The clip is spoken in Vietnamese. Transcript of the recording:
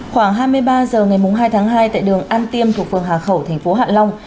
khoảng hai mươi ba h ngày hai tháng hai tại đường an tiêm thuộc phường hà khẩu thành phố hạ long